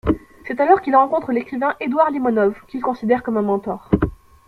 C'est alors qu'il rencontre l'écrivain Edouard Limonov qu'il considère comme un mentor.